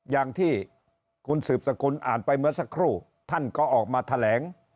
อย่างที่คุณสืบสกุลอ่านไปเมื่อสักครู่ท่านก็ออกมาแถลง